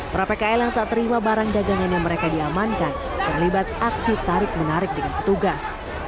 para pkl yang tak terima barang dagangannya mereka diamankan terlibat aksi tarik menarik dengan petugas